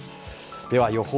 では、予報。